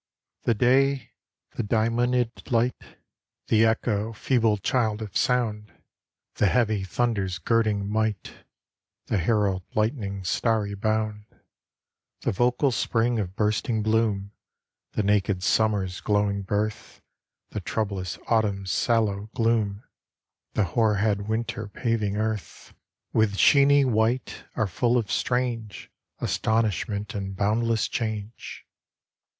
The day, the diamonded light, The echo, feeble child of sound, The heavy thunder's girding might, The herald lightning's starry bound, The vocal spring of bursting bloom, The naked summer's glowing birth, The troublous autumn's sallow gloom, The hoarhead winter paving earth With sheeny white, are full of strange Astonishment and boundless change.